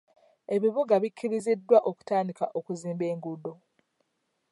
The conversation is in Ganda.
Ebibuga bikiriziddwa okutandika okuzimba enguudo.